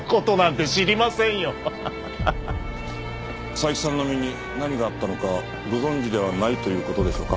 斉木さんの身に何があったのかはご存じではないという事でしょうか？